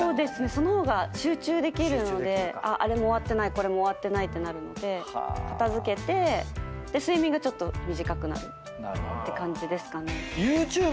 その方が集中できるのであれも終わってないこれも終わってないってなるので片付けて睡眠がちょっと短くなるって感じですかね。